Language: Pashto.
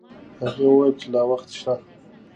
هغې وویل چې لا وخت شته.